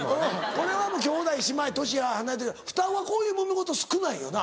これは兄弟姉妹年が離れてるけど双子はこういうもめ事少ないよな。